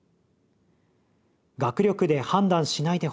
「学力で判断しないでほしい。